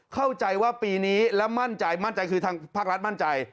เข้าใจว่าปีนี้และมั่นใจมั่นใจคือทางภาครัฐมั่นใจ